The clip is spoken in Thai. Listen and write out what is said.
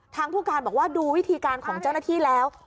ผู้การบอกว่าดูวิธีการของเจ้าหน้าที่แล้ว